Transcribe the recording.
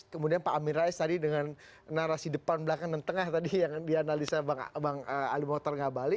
kemudian pak amin rais tadi dengan narasi depan belakang dan tengah tadi yang dianalisa bang ali mohtar ngabali